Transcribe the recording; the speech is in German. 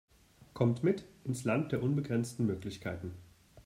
Kommt mit ins Land der unbegrenzten Möglichkeiten!